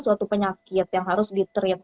suatu penyakit yang harus di treat